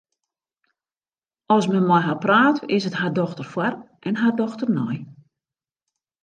As men mei har praat, is it har dochter foar en har dochter nei.